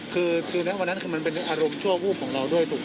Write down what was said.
คือนะวันนั้นคือมันเป็นอารมณ์ชั่ววูบของเราด้วยถูกไหม